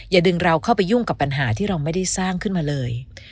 อย่าดึงเราเข้าไปยุ่งกับปัญหาที่เราไม่ได้สร้างขึ้นมาเลย